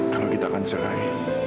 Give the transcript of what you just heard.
kalau kita akan cerai